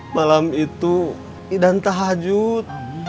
malam itu idan tahajud